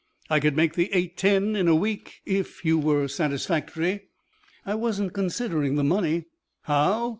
"I could make the eight ten in a week if you were satisfactory." "I wasn't considering the money " "How?"